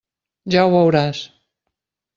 Ja ho veuràs.